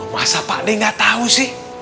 masa pak d nggak tahu sih